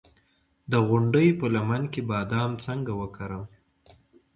د غونډۍ په لمن کې بادام څنګه وکرم؟